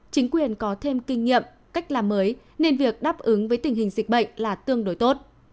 chính quyền có thêm kinh nghiệm cách làm mới nên việc đáp ứng với tình hình dịch bệnh là tương đối tốt